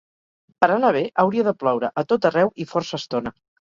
Per anar bé, hauria de ploure a tot arreu i força estona.